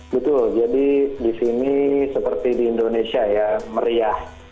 betul jadi di sini seperti di indonesia ya meriah